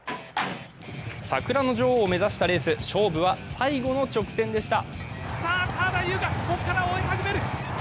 桜の女王を目指したレース勝負は最後の直線でした。